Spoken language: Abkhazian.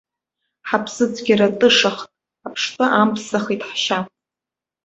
Ҳаԥсыцәгьара тышахт, аԥштәы амԥсахит ҳшьа.